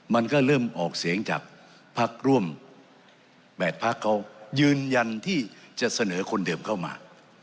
มันก็เริ่มออกเสียงจากพักร่วม๘พักเขายืนยันที่จะเสนอคนเดิมเข้ามา